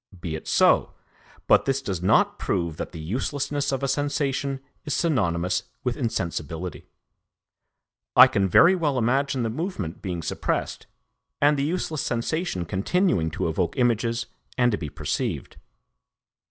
Be it so; but this does not prove that the uselessness of a sensation is synonymous with insensibility. I can very well imagine the movement being suppressed and the useless sensation continuing to evoke images and to be perceived.